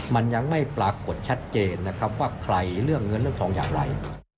มันยังไม่ปรากฏชัดเจนนะครับว่าใครเรื่องเงินเรื่องทองอย่างไร